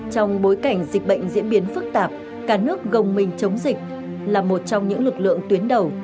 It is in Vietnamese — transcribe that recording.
trong bối cảnh dịch bệnh diễn biến phức tạp cả nước gồng mình chống dịch là một trong những lực lượng tuyến đầu